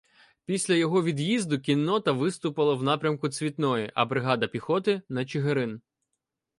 Після його від'їзду кіннота виступила в напрямку Цвітної, а бригада піхоти — на Чигирин.